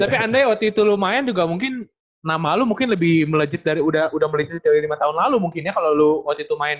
tapi andai waktu itu lu main juga mungkin nama lu mungkin lebih melejit dari lima tahun lalu mungkin ya kalo lu waktu itu main ya